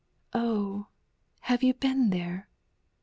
Oh! have you been there?